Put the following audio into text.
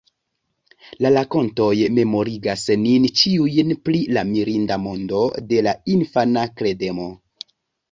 La rakontoj memorigas nin ĉiujn pri la mirinda mondo de la infana kredemo.